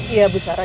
iya bu sara